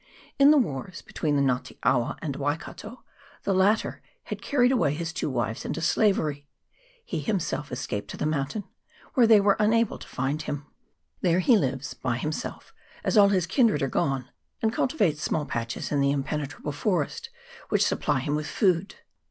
In the wars between the Nga te awa and Waikato, the latter had carried away his two wives into slavery ; he himself escaped to the mountain, where they were unable to find him. There he lives by himself, as all his kindred are gone, and cultivates small patches in the impenetrable forest, which supply him with food.